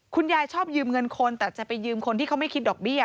คุณยายชอบยืมเงินคนแต่จะไปยืมคนที่เขาไม่คิดดอกเบี้ย